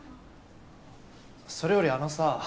それよりあのさ。